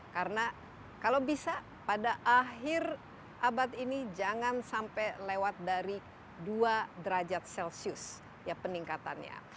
karena kalau bisa pada akhir abad ini jangan sampai lewat dari dua derajat celcius ya peningkatannya